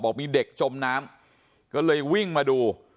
มีเด็กจมน้ำก็เลยวิ่งมาดู